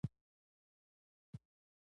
سپور ملګري ته وویل راځه لاړ شو.